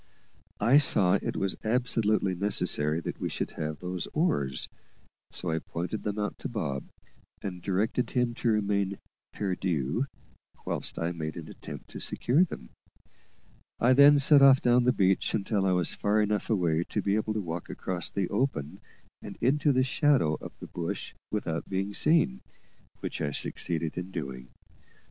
I saw it was absolutely necessary that we should have those oars, so I pointed them out to Bob, and directed him to remain perdu, whilst I made an attempt to secure them. I then set off down the beach until I was far enough away to be able to walk across the open and into the shadow of the bush without being seen, which I succeeded in doing.